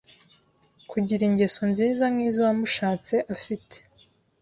kugira ingeso nziza nk’izo wamushatse afite